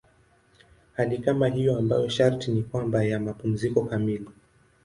Hali kama hiyo ambayo sharti ni kwamba ya mapumziko kamili.